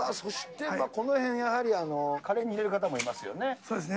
この辺やはり、カレーに入れる方もいますよね。